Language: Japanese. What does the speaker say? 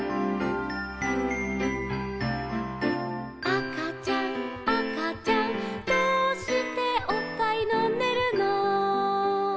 「あかちゃんあかちゃんどうしておっぱいのんでるの」